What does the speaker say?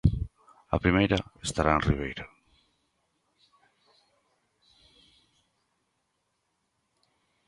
A primeira estará en Ribeira.